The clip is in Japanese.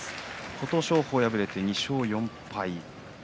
琴勝峰は敗れて２勝４敗。